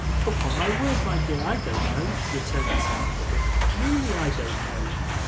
'Upon my word, my dear, I don't know,' returned Mrs. Nickleby; 'really, I don't know.